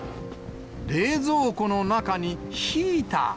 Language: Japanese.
冷蔵庫の中にヒーター。